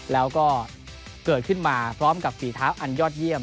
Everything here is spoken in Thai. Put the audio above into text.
แล้วก็เกิดขึ้นมาพร้อมกับฝีเท้าอันยอดเยี่ยม